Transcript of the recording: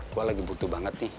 gue lagi butuh banget nih